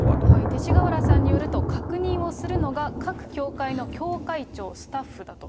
勅使河原さんによると、確認をするのが各教会の教会長、スタッフだと。